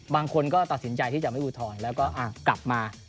บางคนก็ตัดสินใจที่จะไม่อุทธรณ์แล้วก็กลับมา